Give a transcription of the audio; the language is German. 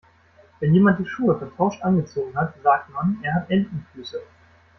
Wenn jemand die Schuhe vertauscht angezogen hat, sagt man, er hat Entenfüße.